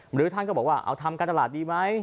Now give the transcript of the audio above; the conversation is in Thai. หรือท่านก็บอกว่าเอาทำการตลาดดีไหม